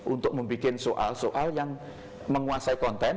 untuk membuat soal soal yang menguasai konten